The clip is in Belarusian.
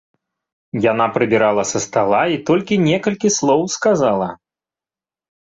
Яна прыбірала са стала і толькі некалькі слоў сказала.